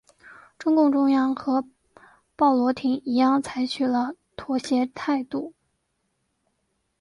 中共中央和鲍罗廷一样采取了妥协态度。